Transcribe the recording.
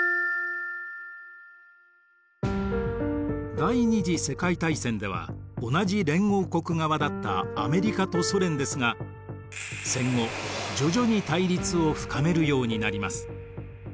第二次世界大戦では同じ連合国側だったアメリカとソ連ですが戦後徐々に対立を深めるようになります。